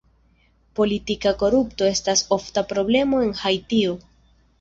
Politika korupto estas ofta problemo en Haitio.